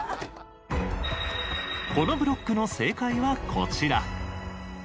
このブロックの正解はこちら。